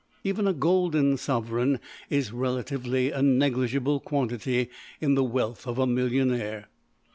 Even a golden sovereign is relatively a negligible quantity in the wealth of a millionaire.